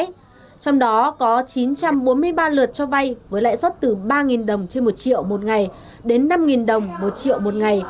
trong đó có chín trăm bốn mươi ba lượt cho vay với lãi suất từ ba đồng trên một triệu một ngày đến năm đồng một triệu một ngày